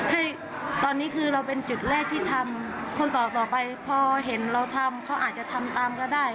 ให้ตอนนี้คือเราเป็นจุดแรกที่ทำคนต่อต่อไปพอเห็นเราทำเขาอาจจะทำตามก็ได้